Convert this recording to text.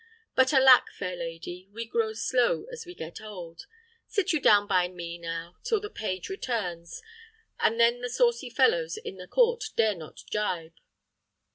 But alack, fair lady, we grow slow as we get old. Sit you down by me now, till the page returns, and then the saucy fellows in the court dare not gibe."